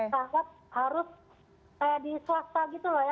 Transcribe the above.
sangat harus kayak di swasta gitu loh ya